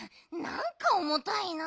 なんかおもたいな。